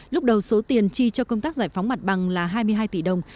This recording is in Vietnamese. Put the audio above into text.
lúc đầu số tiền chi cho công tác giải phóng mặt bằng là hai mươi hai tỷ đồng